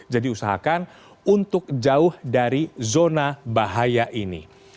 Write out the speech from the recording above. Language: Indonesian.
jadi usahakan untuk jauh dari zona bahaya ini